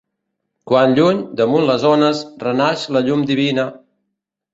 Quan lluny, damunt les ones, renaix la llum divina